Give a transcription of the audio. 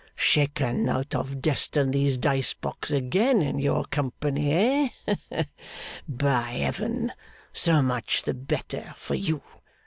'Shaken out of destiny's dice box again into your company, eh? By Heaven! So much the better for you.